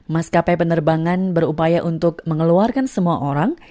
maskapai penerbangan berupaya untuk mengeluarkan semua orang